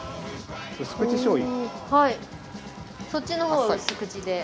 そっちのほうは薄口で。